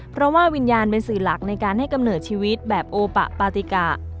เพราะว่าวิญญาณเป็นสื่อหลักในการให้กำเนิดชีวิตแบบโอปะปาติกะ